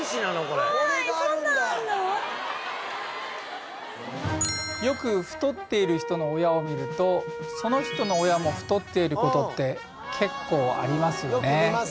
これこれがあるんだよく太っている人の親を見るとその人の親も太っていることって結構ありますよね